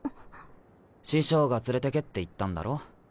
師匠が「連れてけ」って言ったんだろ。